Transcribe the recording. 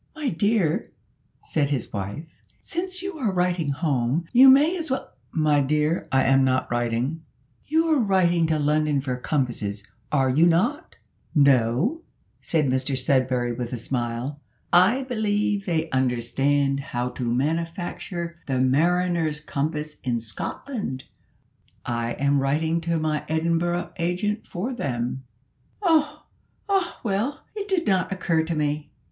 "My dear," said his wife, "since you are writing home, you may as well " "My dear, I am not writing " "You're writing to London for compasses, are you not?" "No," said Mr Sudberry with a smile. "I believe they understand how to manufacture the mariner's compass in Scotland I am writing to my Edinburgh agent for them." "Oh! ah well, it did not occur to me.